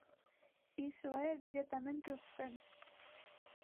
Iso é directamente obsceno.